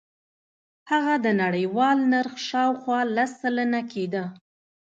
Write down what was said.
هغه د نړیوال نرخ شاوخوا لس سلنه کېده.